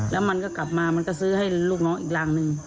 แล้วมันก็กลับมามันก็ซื้อให้ลูกน้องอีกรังหนึ่ง